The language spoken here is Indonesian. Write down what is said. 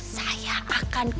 saya akan kembali